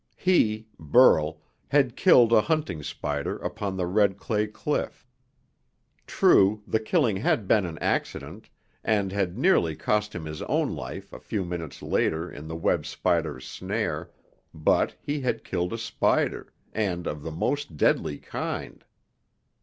He, Burl, had killed a hunting spider upon the red clay cliff. True, the killing had been an accident, and had nearly cost him his own life a few minutes later in the web spider's snare, but he had killed a spider, and of the most deadly kind.